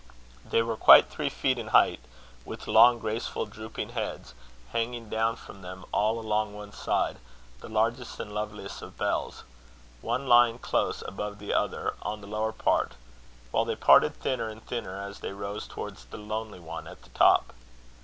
They were quite three feet in height, with long, graceful, drooping heads; hanging down from them, all along one side, the largest and loveliest of bells one lying close above the other, on the lower part; while they parted thinner and thinner as they rose towards the lonely one at the top.